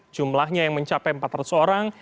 jumlahnya yang mencapai empat ratus orang